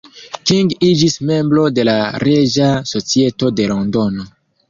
King iĝis membro de la Reĝa Societo de Londono.